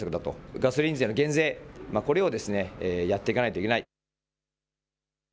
ガソリン税の減税、これをやっていかないといけない。